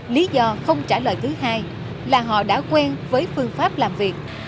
lý do không trả lời thứ hai là họ đã quen với phương pháp làm việc